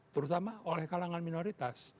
terutama oleh kalangan minoritas